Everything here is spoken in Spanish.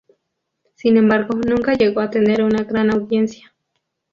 Sin embargo, nunca llegó a tener una gran audiencia.